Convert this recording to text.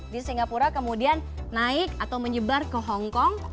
di singapura kemudian naik atau menyebar ke hongkong